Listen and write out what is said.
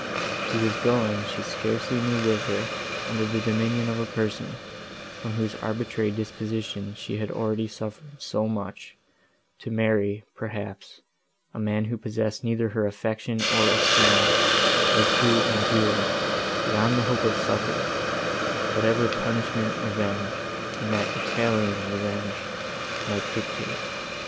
She was going she scarcely knew whither, under the dominion of a person, from whose arbitrary disposition she had already suffered so much, to marry, perhaps, a man who possessed neither her affection, nor esteem; or to endure, beyond the hope of succour, whatever punishment revenge, and that Italian revenge, might dictate.